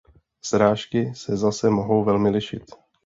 Srážky se zase mohou velmi lišit.